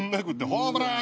「ホームラン！！」